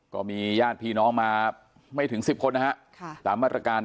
ก็มีย่านพี่น้องมาไม่ถึง๑๐คนนะครับ